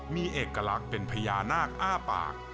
มีเอกลักษณ์เป็นพญานาคอ้าปาก